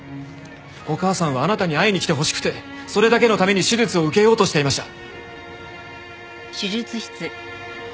お母さんはあなたに会いに来てほしくてそれだけのために手術を受けようとしていました。